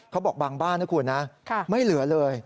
เขาบอกบางบ้านนะคุณนะไม่เหลือเลย